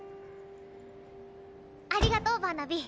ありがとうバーナビー。